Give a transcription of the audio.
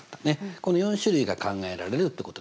この４種類が考えられるってことですね。